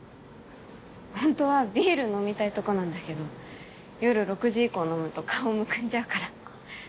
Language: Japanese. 本当はビール飲みたいとこなんだけど夜６時以降に飲むと顔むくんじゃうから。